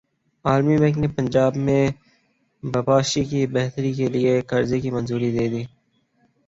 عالمی بینک نے پنجاب میں بپاشی کی بہتری کیلئے قرضے کی منظوری دے دی